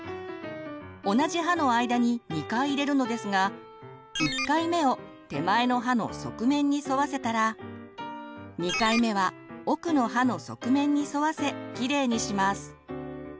同じ歯の間に２回入れるのですが１回目を手前の歯の側面に沿わせたら２回目は奥の歯の側面に沿わせきれいにします。